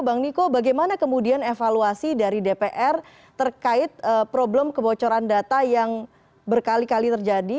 bang niko bagaimana kemudian evaluasi dari dpr terkait problem kebocoran data yang berkali kali terjadi